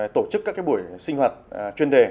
tổ chức các buổi sinh hoạt chuyên đề